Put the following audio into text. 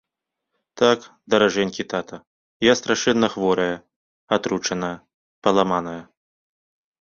Так, даражэнькі тата, я страшэнна хворая, атручаная, паламаная.